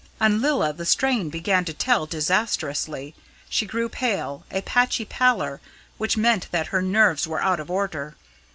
On Lilla the strain began to tell disastrously. She grew pale a patchy pallor, which meant that her nerves were out of order.